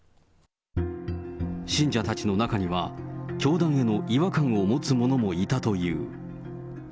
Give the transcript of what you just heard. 信者たちの中には、教団への違和感を持つ者もいたという。